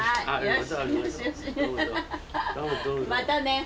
またね。